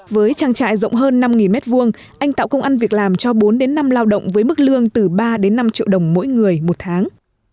với trang trại rộng hơn năm m hai anh tạo công ăn việc làm cho bốn đến năm lao động với mức lương từ ba đến năm triệu đồng mỗi người một tháng